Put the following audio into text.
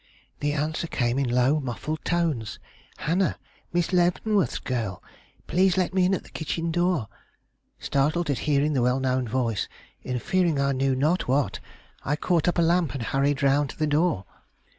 The answer came in low, muffled tones, 'Hannah, Miss Leavenworth's girl! Please let me in at the kitchen door.' Startled at hearing the well known voice, and fearing I knew not what, I caught up a lamp and hurried round to the door.